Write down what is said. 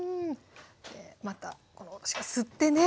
またこのおろしが吸ってね！ね！